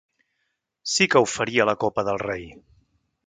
Sí que ho faria a la Copa del Rei.